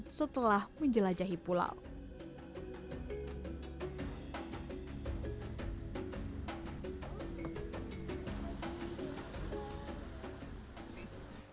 hasil tangkapan pagi ini menjadi menu makan siang